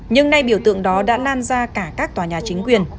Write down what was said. nhưng nay biểu tượng đó đã lan ra cả các tòa nhà chính quyền